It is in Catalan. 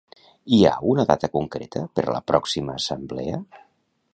Hi ha una data concreta per a la pròxima assemblea?